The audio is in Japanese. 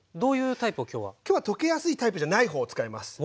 今日は溶けやすいタイプじゃない方を使います。